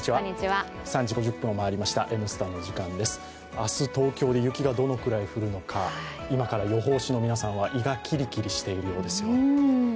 明日、東京で雪がどのくらい降るのか、今から予報士の皆さんは胃がキリキリしているようですよ。